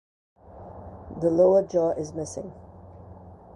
The lower jaw is missing.